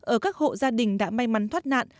ở các hộ gia đình đã may mắn thoát nạn